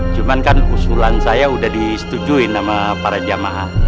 cuman kan usulan saya udah disetujuin sama para jamaah